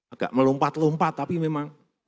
agak melompat lompat tapi memang harus seperti itu